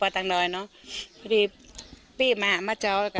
พระจงอ่ะผมพี่อยากมาหามาเจาค่ะ